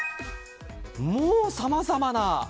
もう、サバざまな。